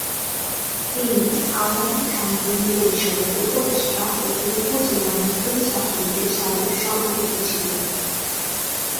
তিনি আওয়ামী আইনজীবী পরিষদের উপদেষ্টা ও ফরিদপুর জেলা মুসলিম ছাত্রলীগের সাবেক সভাপতি ছিলেন।